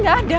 pak gak ada